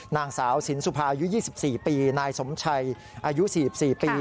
นางสาวสินสุภายุ๒๔ปีนายสมชัยอายุ๔๔ปี